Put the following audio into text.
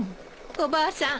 おばあさん